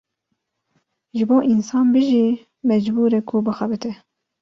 Ji bo însan bijî mecbûre ku bixebite.